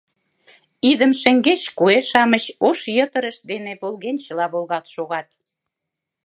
Идым шеҥгеч куэ-шамыч ош йытырышт дене волгенчыла волгалт шогат.